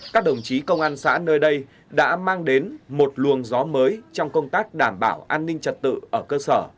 các đồng chí công an xã nơi đây đã mang đến một luồng gió mới trong công tác đảm bảo an ninh trật tự ở cơ sở